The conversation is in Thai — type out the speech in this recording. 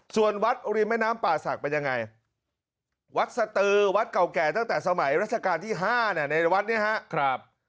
ส่วนวัดริมแม่น้ำป่าศักดิ์เป็นยังไงวัดสตือวัดเก่าแก่ตั้งแต่สมัยราชการที่๕ในวัดเนี่ยครับ